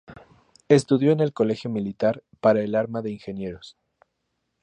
Estudió en el Colegio Militar, para el arma de ingenieros.